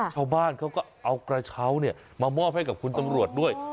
ชาวบ้านเขาก็เอากระเช้ามามอบให้กับคุณตำรวจด้วย